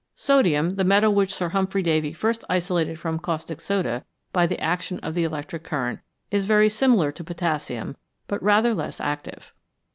Sodium, the metal which Sir Humphry Davy first isolated from caustic soda by the action of the electric current, is very similar to potassium, but rather less active.